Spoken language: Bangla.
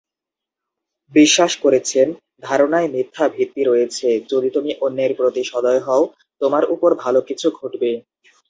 বিশ্বাস করেছেন "ধারনায় মিথ্যা ভিত্তি রয়েছে যদি তুমি অন্যের প্রতি সদয় হও, তোমার উপর ভালো কিছু ঘটবে।"